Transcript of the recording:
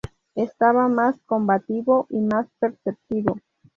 Estaba más combativo y más perceptivo.